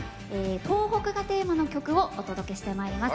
東北がテーマの曲をお届けしてまいります。